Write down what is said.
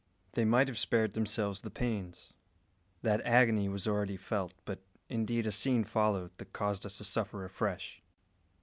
They might have spared themselves the pains. That agony was already felt; but, indeed, a scene followed that caused us to suffer afresh.